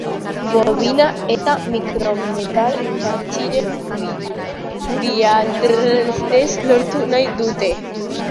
Bobina eta mikrometal batziren biatrtez lortu nahi dute.